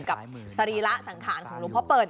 สรีระสังขารของหลวงพ่อเปิล